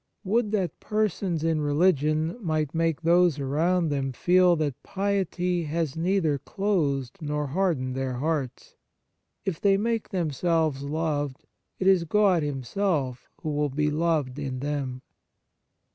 Would that persons in religion might make those around them feel that piety has neither closed nor hardened their hearts ! If they make themselves loved, it is God Himself who will be loved in them.